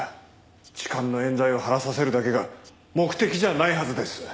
痴漢の冤罪を晴らさせるだけが目的じゃないはずです。